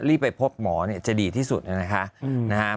รีบไปพบหมอเนี่ยจะดีที่สุดเลยค่ะ